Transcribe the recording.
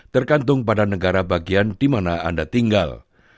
terkantung pada negara bagian di mana anda tinggal